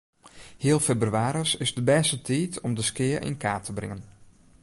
Heal febrewaris is de bêste tiid om de skea yn kaart te bringen.